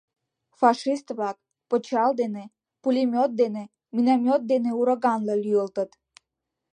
«...Фашист-влак пычал дене, пулемет дене, миномет дене ураганла лӱйылтыт.